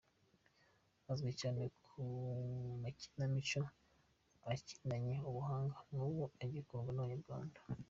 Azwi cyane mu makinamico akinanye ubuhanga n’ubu agikundwa n’Abanyarwanda.